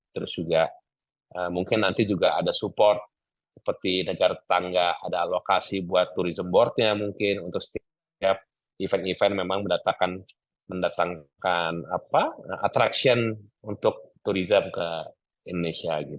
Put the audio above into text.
terus juga mungkin nanti juga ada support seperti negara tetangga ada alokasi buat tourism boardnya mungkin untuk setiap event event memang mendatangkan atraksi untuk turisme ke indonesia